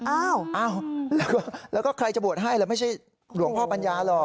อ้าวแล้วก็ใครจะบวชให้แล้วไม่ใช่หลวงพ่อปัญญาหรอก